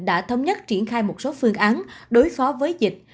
đã thống nhất triển khai một số phương án đối phó với dịch